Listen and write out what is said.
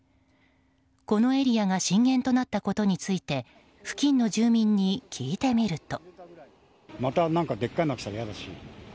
このエリアが震源となったことについて付近の住民に聞いてみると。